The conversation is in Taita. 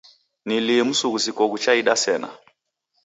Ni lii msughusiko ghuchaida sena?